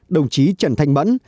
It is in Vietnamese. đồng chí trần thanh mẫn